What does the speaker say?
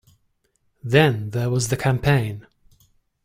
Then there was the campaign.